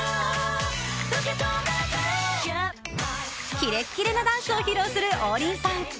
キレッキレなダンスを披露する王林さん。